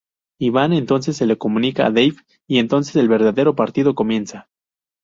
Iván entonces se lo comunica a Dave, y entonces el verdadero partido comienza.